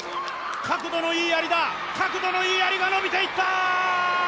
角度のいいやりだ、角度のいいやりが伸びていった！